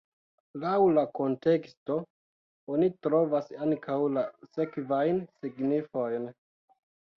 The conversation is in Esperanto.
Laŭ la konteksto oni trovas ankaŭ la sekvajn signifojn.